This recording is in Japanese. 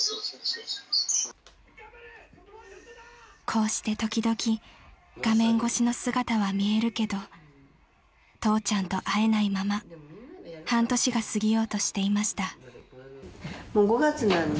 ［こうして時々画面越しの姿は見えるけど父ちゃんと会えないまま半年が過ぎようとしていました］